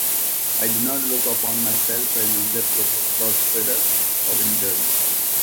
I do not look upon myself as either prosperous or indulged.